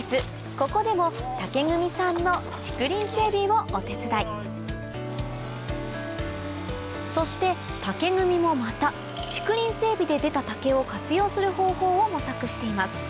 ここでも竹組さんのそして竹組もまた竹林整備で出た竹を活用する方法を模索しています